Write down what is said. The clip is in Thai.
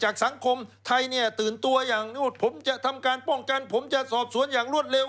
สังคมไทยเนี่ยตื่นตัวอย่างนวดผมจะทำการป้องกันผมจะสอบสวนอย่างรวดเร็ว